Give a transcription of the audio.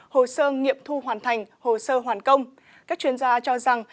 hồ sơ nghiệm thu hoàn thành hồ sơ hoàn công các chuyên gia cho rằng